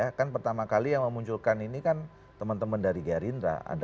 karena pertama kali yang memunculkan ini kan teman teman dari gerindra